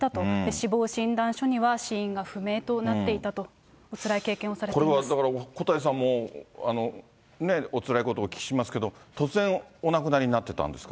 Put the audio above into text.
死亡診断書には死因が不明となっていたと、おつらい経験をされてこれはだから小谷さんも、おつらいことお聞きしますけど、突然、お亡くなりになってたんですか？